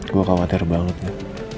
gue khawatir banget ya